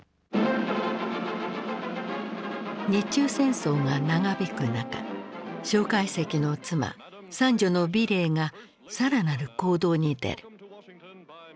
日中戦争が長引く中介石の妻三女の美齢が更なる行動に出る。